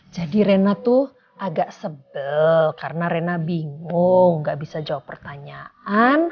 jadi rena tuh agak sebel karena rena bingung gak bisa jawab pertanyaan